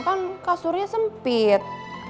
kan kasurnya sempit